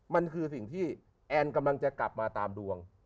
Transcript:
มันคือสิ่งที่แอนกำลังจะกลับมาตามดวง